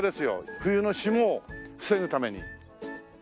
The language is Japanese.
冬の霜を防ぐために。